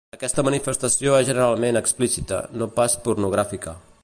Aquesta manifestació és generalment explícita, no pas pornogràfica.